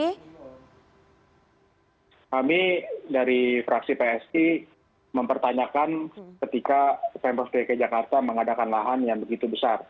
kami dari fraksi psi mempertanyakan ketika pemprov dki jakarta mengadakan lahan yang begitu besar